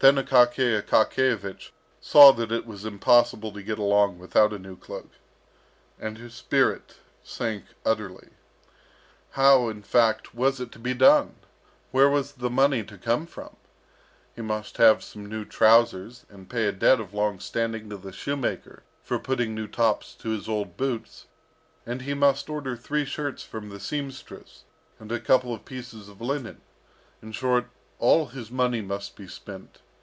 Then Akaky Akakiyevich saw that it was impossible to get along without a new cloak, and his spirit sank utterly. How, in fact, was it to be done? Where was the money to come from? He must have some new trousers, and pay a debt of long standing to the shoemaker for putting new tops to his old boots, and he must order three shirts from the seamstress, and a couple of pieces of linen. In short, all his money must be spent.